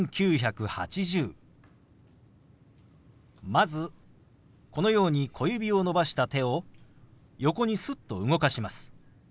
まずこのように小指を伸ばした手を横にすっと動かします。